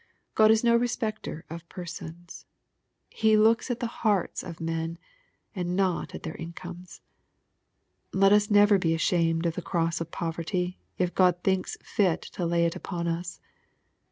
God is no respecter of persons. He looks at the hearts of men, and not at their incomes. Let us never be ashamed of the cross of poverty, if God thinks fit to lay it upon us.